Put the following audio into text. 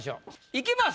いきます。